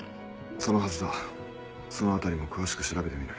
そのはずだそのあたりも詳しく調べてみる。